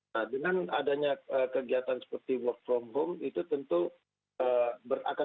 nah dengan adanya kegiatan seperti work from home itu tentu akan